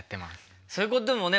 そういうこともね